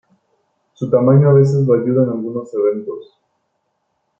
Su tamaño a veces lo ayuda en algunos eventos.